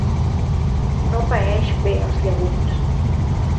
No paeix bé els llegums.